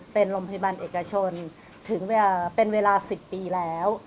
เป็นโรงพยาบาลเอกชนถึงเวลาเป็นเวลา๑๐ปีแล้ว